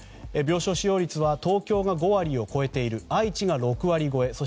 病床使用率は東京が５割を超えている愛知が６割超え